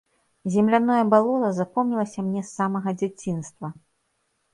Земляное балота запомнілася мне з самага дзяцінства.